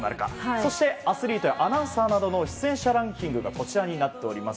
そして、アスリートやアナウンサーなどの出演者ランキングがこちらになっております。